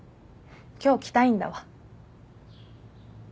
今日着たいんだわ。